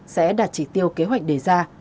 sẽ đạt trị tiêu kế hoạch đề ra